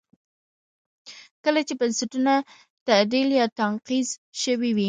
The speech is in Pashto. کله چې بستونه تعدیل یا تنقیض شوي وي.